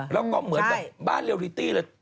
แล้วก็เหมือนแบบบ้านเรียลลิตี้เลย